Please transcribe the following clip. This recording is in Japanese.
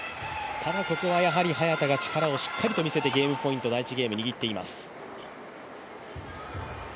ただ、ここは早田がしっかり力を見せてゲームポイント、第１ゲーム握っています。